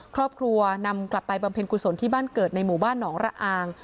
ครอบครัวนำกลับไปบำเพ็ญกุศลที่บ้านเกิดในหมู่บ้านหนองระอาง